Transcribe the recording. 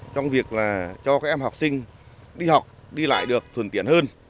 trong việc là cho các em học sinh đi học đi lại được thuần tiện hơn